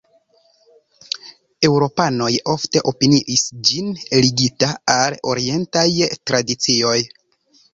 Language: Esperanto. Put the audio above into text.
Eŭropanoj ofte opinias ĝin ligita al orientaj tradicioj.